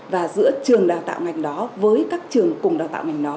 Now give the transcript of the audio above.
và giữa trường đào tạo ngành đó với các trường cùng đào tạo